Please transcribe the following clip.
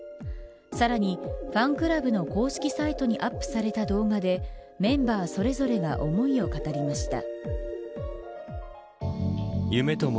さらにファンクラブの公式サイトにアップされた動画でメンバーそれぞれが思いを語りました。